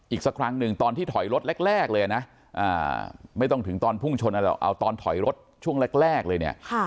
อีกสักครั้งหนึ่งตอนที่ถอยรถแรกเลยนะไม่ต้องถึงตอนพุ่งชนอะไรเอาตอนถอยรถช่วงแรกเลยเนี่ย